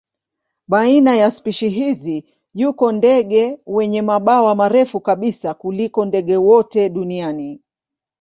Baina ya spishi hizi yuko ndege wenye mabawa marefu kabisa kuliko ndege wote duniani.